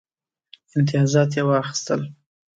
امتیازات یې واخیستل.